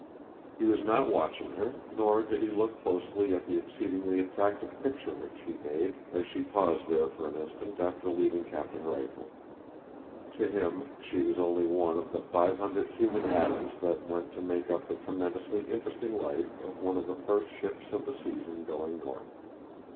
He was not watching her, nor did he look closely at the exceedingly attractive picture which she made as she paused there for an instant after leaving Captain Rifle. To him she was only one of the five hundred human atoms that went to make up the tremendously interesting life of one of the first ships of the season going north.